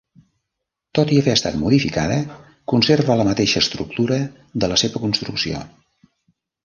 Tot i haver estat modificada conserva la mateixa estructura de la seva construcció.